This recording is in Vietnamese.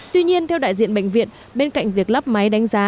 tuy nhiên theo đại diện bệnh viện bên cạnh việc lắp máy đánh giá